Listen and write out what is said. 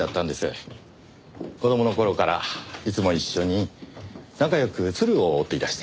子供の頃からいつも一緒に仲良く鶴を折っていらして。